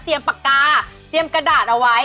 ปากกาเตรียมกระดาษเอาไว้